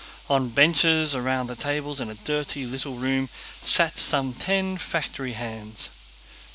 On benches round the tables in a dirty little room sat some ten factory hands.